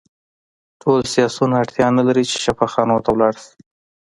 ټول سیاسیون اړتیا نلري چې شفاخانو ته لاړ شي